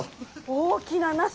大きなナス！